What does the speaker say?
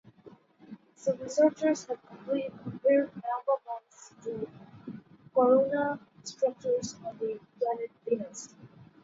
Some researchers have compared Alba Mons to coronae structures on the planet Venus.